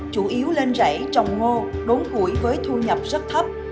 chủ yếu lên rẫy trồng ngô đốn củi với thu nhập rất thấp